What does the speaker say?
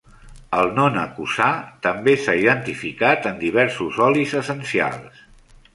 El nonacosà també s'ha identificat en diversos olis essencials.